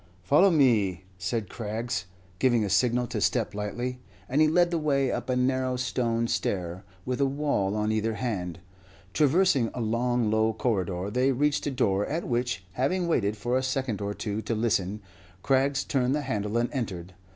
"Follow me," said Craggs, giving a signal to step lightly; and he led the way up a narrow stone stair, with a wall on either hand. Traversing a long, low corridor, they reached a door, at which having waited for a second or two to listen, Craggs turned the handle and entered.